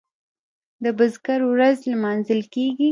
د بزګر ورځ لمانځل کیږي.